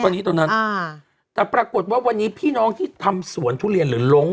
ตอนนี้ตรงนั้นอ่าแต่ปรากฏว่าวันนี้พี่น้องที่ทำสวนทุเรียนหรือลง